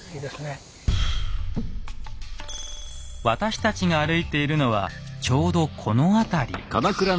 私たちが歩いているのはちょうどこの辺り。